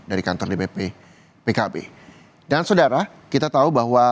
dari kantor dpp pkb dan saudara kita tahu bahwa